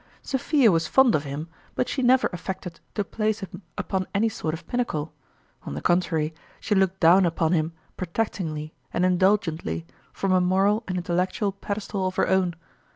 Sophia was fond of him, but she never affected to place him upon any sort of pinnacle ; on the contrary, she looked down upon him protect ingly and indulgently from a moral and intel lectual pedestal of her own.